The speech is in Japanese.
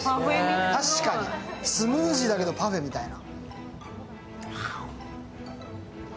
スムージーだけどパフェみたいな。